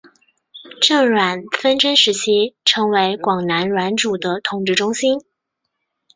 郑阮纷争时期成为广南阮主的统治中心。